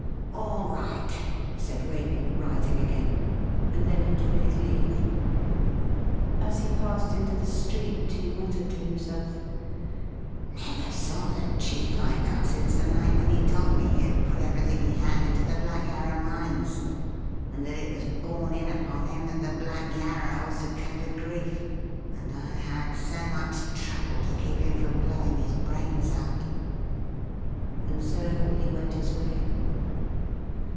' All right,' said Waley, rising again ; and then he took his leave. As he passed into the street, he muttered to himself :' Never saw the chief like that since the night when he told me he had put everything he had into the Black Yarra mines, and that it was borne in upon him that the Black Yarra was to come to grief, and I had so much trouble to keep him from blowing his brains out !' And so he went his way.